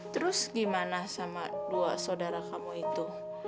terus gimana sama dua saudara kamu itu